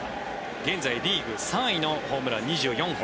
現在、リーグ３位のホームラン２３本。